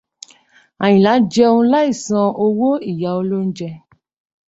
Àyìnlá jẹun láìsan owó ìyá olójẹ.